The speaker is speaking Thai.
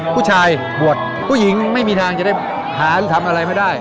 ผู้ชายบวชผู้หญิงไม่มีทางจะได้หาหรือทำอะไรไม่ได้